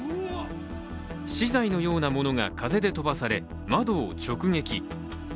資材のようなものが風で飛ばされ窓を直撃。